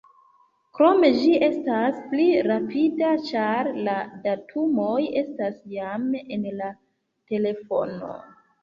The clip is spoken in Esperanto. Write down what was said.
Krome ĝi estas pli rapida, ĉar la datumoj estas jam en la telefono.